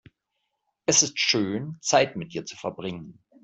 Es ist schön, Zeit mit dir zu verbringen.